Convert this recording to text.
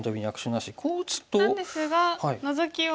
なんですがノゾキを。